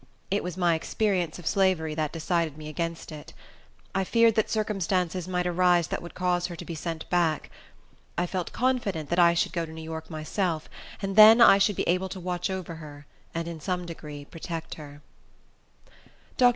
It was my experience of slavery that decided me against it. I feared that circumstances might arise that would cause her to be sent back. I felt confident that I should go to New York myself; and then I should be able to watch over her, and in some degree protect her. Dr.